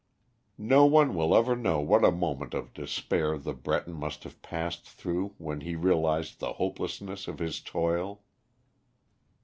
No one will ever know what a moment of despair the Breton must have passed through when he realised the hopelessness of his toil.